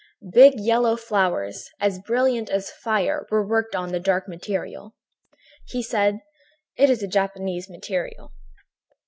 Big yellow flowers, as brilliant as fire, were worked on the dark material. "He said: "'It is a Japanese material.'